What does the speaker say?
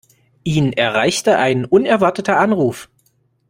Ihn erreichte ein unerwarteter Anruf.